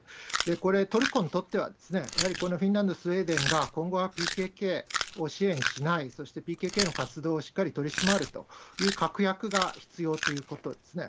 これ、トルコにとっては、やはりこのフィンランド、スウェーデンが、今後はＰＫＫを支援しない、そして、ＰＫＫの活動をしっかり取り締まるという確約が必要ということですね。